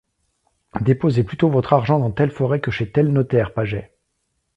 Déposez plutôt votre argent dans telle forêt que chez tel notaire Pages.